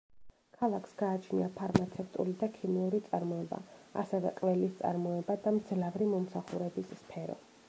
ქალაქს გააჩნია ფარმაცევტული და ქიმიური წარმოება, ასევე ყველის წარმოება და მძლავრი მომსახურების სფერო.